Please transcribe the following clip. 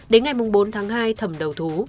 đến ngày bốn tháng hai thẩm đầu thú